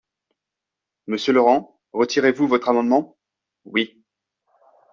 Monsieur Laurent, retirez-vous votre amendement ? Oui.